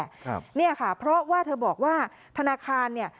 ครับเนี่ยค่ะเพราะว่าเธอบอกว่าธนาคารเนี่ย